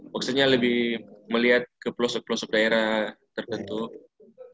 maksudnya lebih melihat ke pelosok pelosok daerah tertentu